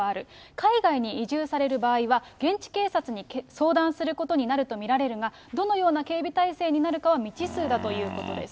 海外に移住される場合は、現地警察に相談することになると見られるが、どのような警備体制になるかは未知数だということです。